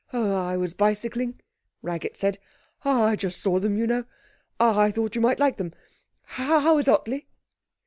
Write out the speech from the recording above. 'Oh, I was bicycling,' Raggett said. 'I just saw them, you know. I thought you might like them. How is Ottley?'